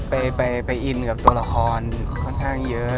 ไปอินกับตัวละครค่อนข้างเยอะ